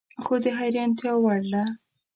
خو د حیرانتیا وړ ده